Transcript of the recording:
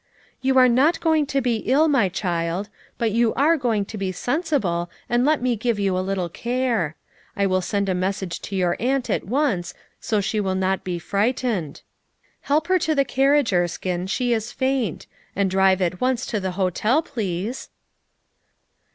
"You are not going to be ill, my child; but you are going to be sensible and let me give ) r ou a little care. I will send a message to your aunt at once, so she will not be frightened. Help her to the carriage, Erskine, she is faint ; and drive at once to the hotel, please."